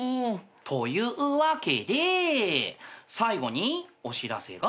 というわけで最後にお知らせがあります。